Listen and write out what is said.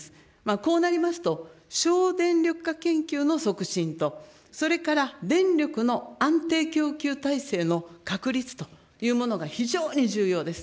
こうなりますと、省電力化研究の促進と、それから電力の安定供給体制の確立というものが非常に重要です。